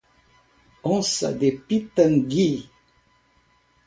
Onça de Pitangui